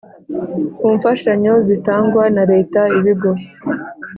ku mfashanyo zitangwa na Leta ibigo